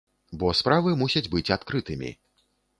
Бо справы мусяць быць адкрытымі.